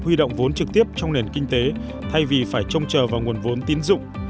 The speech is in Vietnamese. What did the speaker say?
huy động vốn trực tiếp trong nền kinh tế thay vì phải trông chờ vào nguồn vốn tín dụng